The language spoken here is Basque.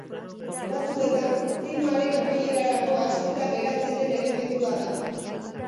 Batzuetan filmaren amaierarako ahaztuta geratzen den elementua da.